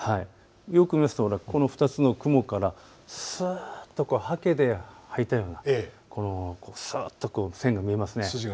よく見ると、この２つの雲からすっとはけではいたような線が見えますね。